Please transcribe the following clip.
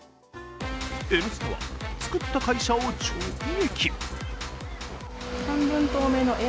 「Ｎスタ」は作った会社を直撃。